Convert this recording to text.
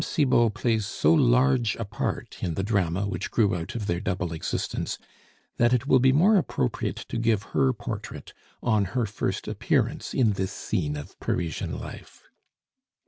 Cibot plays so large a part in the drama which grew out of their double existence, that it will be more appropriate to give her portrait on her first appearance in this Scene of Parisian Life.